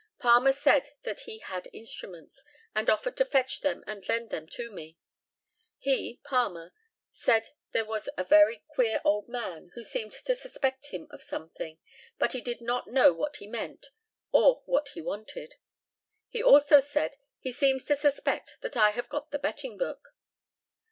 Palmer said that he had instruments, and offered to fetch them and lend them to me. He (Palmer) said there was a very queer old man who seemed to suspect him of something, but he did not know what he meant or what he wanted. He also said, "He seems to suspect that I have got the betting book.